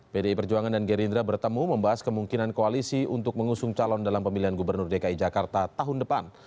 pdi perjuangan dan gerindra bertemu membahas kemungkinan koalisi untuk mengusung calon dalam pemilihan gubernur dki jakarta tahun depan